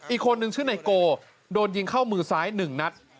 อีกคนนึงชื่อไนโกโดนยิงเข้ามือซ้าย๑นัด